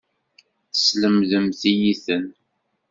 Teslemdem-iyi-ten.